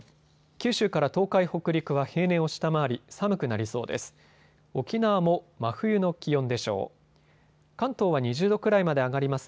九州から東海、北陸は平年を下回り、寒くなりそうです。